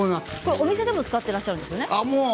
お店でも使っていらっしゃるんですよね。